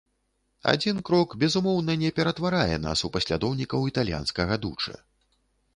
Адзін крок, безумоўна, не ператварае нас у паслядоўнікаў італьянскага дучэ.